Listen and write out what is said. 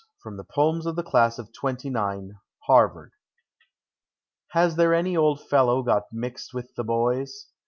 FROM "POKMS OF THIS CLASS OF TWENT V XI.Vli" [ HARVARD ]. Has there anv old fellow sot mixed with the bovs?